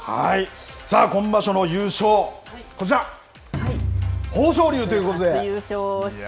さあ、今場所の優勝、こちら、豊昇龍ということで。